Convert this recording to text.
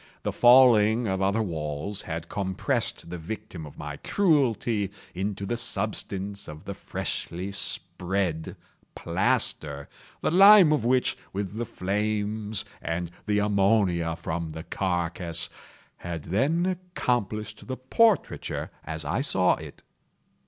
The falling of other walls had compressed the victim of my cruelty into the substance of the freshly spread plaster; the lime of which, with the flames, and the ammonia from the carcass, had then accomplished the portraiture as I saw it.